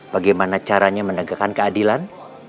bagaimana caranya menegakkan keadilan